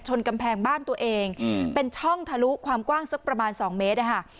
กำแพงบ้านตัวเองเป็นช่องทะลุความกว้างสักประมาณ๒เมตรนะคะ